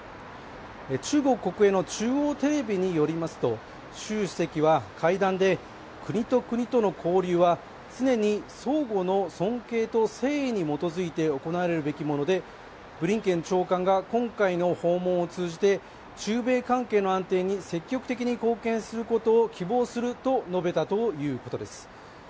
中国国営の中央テレビによりますと、習主席は会談で国と国との交流は常に相互の尊敬と誠意に基づいて行われるべきものでブリンケン長官が今回の訪問を通じて中米関係の安定に積極的に貢献することを希望すると述べたということです。